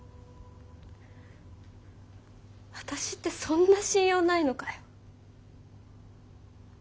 私ってそんな信用ないのかよ。